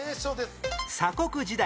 鎖国時代